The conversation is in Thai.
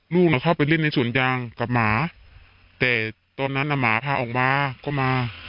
ลูกน่ะเข้าไปเล่นในสวนยางกับหมาแต่ตอนนั้นน่ะหมาพาออกมาก็มา